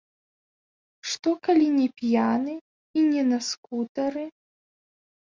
Што калі не п'яны і не на скутэры?